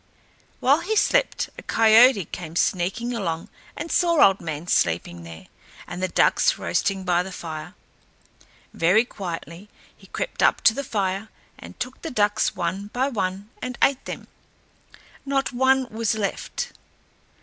While he slept a coyote came sneaking along and saw Old Man sleeping there, and the ducks roasting by the fire. Very quietly he crept up to the fire and took the ducks one by one and ate them. Not one was left.